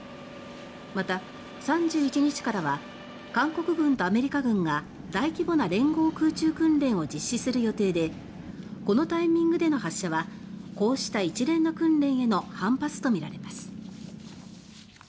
また、３１日からは韓国軍とアメリカ軍が大規模な連合空中訓練を実施する予定でこのタイミングでの発射はこうした一連の訓練への反発とみられます。